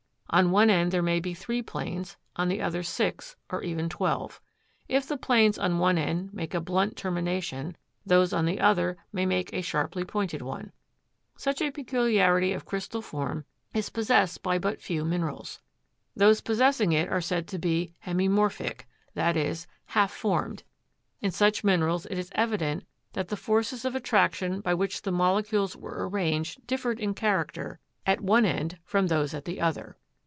On one end there may be three planes, on the other six, or even twelve. If the planes on one end make a blunt termination, those on the other may make a sharply pointed one. Such a peculiarity of crystal form is possessed by but few minerals. Those possessing it are said to be hemimorphic, i. e., half formed. In such minerals it is evident that the forces of attraction by which the molecules were arranged differed in character at one end from those at the other.